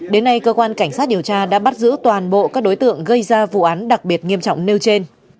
đến nay cơ quan cảnh sát điều tra đã bắt giữ toàn bộ các đối tượng gây ra vụ án đặc biệt nghiêm trọng nêu trên